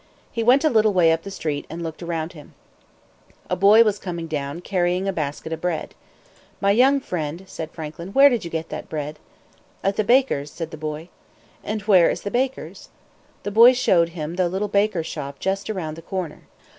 He went a little way up the street, and looked around him. A boy was coming down, carrying a basket of bread. "My young friend," said Franklin, "where did you get that bread?" "At the baker's," said the boy. "And where is the baker's?" The boy showed him the little baker shop just around the corner.